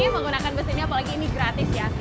menggunakan bus ini apalagi ini gratis ya